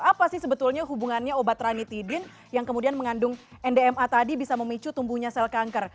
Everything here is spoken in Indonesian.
apa sih sebetulnya hubungannya obat ranitidin yang kemudian mengandung ndma tadi bisa memicu tumbuhnya sel kanker